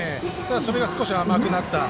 それが少し甘くなった。